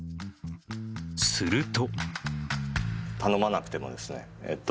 すると。